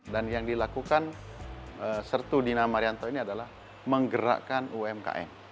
dan yang dilakukan sertu dina marianto ini adalah menggerakkan umkm